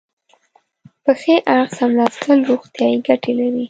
په ښي اړخ څملاستل روغتیایي ګټې لري.